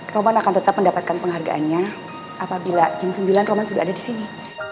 roman akan tetap mendapatkan penghargaannya apabila jam sembilan roman sudah ada di sini